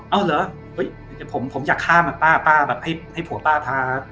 เอาเหรอผมอยากฆ่ามันป้าป้าแบบให้ผัวป้าพา